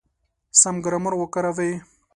سم ګرامر وکاروئ!.